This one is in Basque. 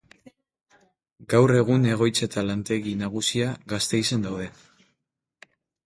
Gaur egun egoitza eta lantegi nagusia Gasteizen daude.